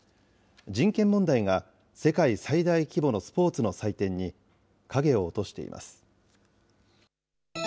人権問題が世界最大規模のスポーツの祭典に影を落としています。